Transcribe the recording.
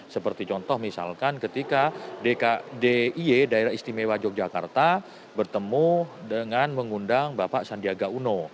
seperti contoh misalkan ketika dki daerah istimewa yogyakarta bertemu dengan mengundang bapak sandiaga uno